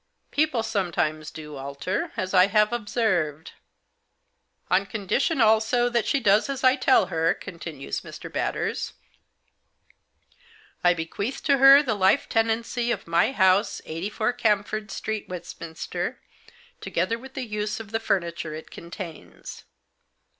"People sometimes do alter — as I have observed. 'On condition, also, that she does as I tell her,' continues Mr. Batters, 'I bequeath to her the life tennacy of my house, 84, Camford Street, Westminster, together with the use of the furniture it contains.'